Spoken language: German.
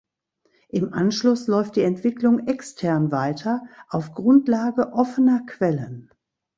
Im Anschluss läuft die Entwicklung extern weiter, auf Grundlage offener Quellen.